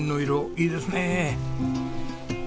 いいですね！